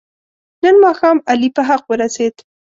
نن ماښام علي په حق ورسید.